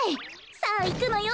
さあいくのよ。